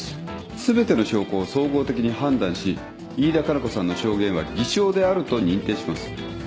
全ての証拠を総合的に判断し飯田加奈子さんの証言は偽証であると認定します。